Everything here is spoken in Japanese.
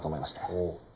おお。